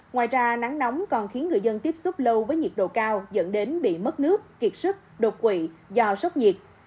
ngoài ra nắng nóng còn khiến người dân tiếp xúc lâu với nhiệt độ cao dẫn đến bị mất nước kiệt sức đột quỵ do sốc nhiệt